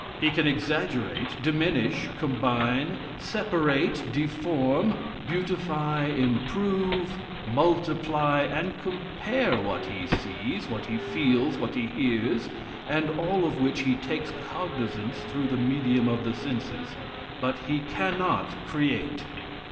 He can exaggerate, diminish, combine, separate, deform, beautify, improve, multiply and compare what he sees, what he feels, what he hears, and all of which he takes cognizance through the medium of the senses; but he cannot create.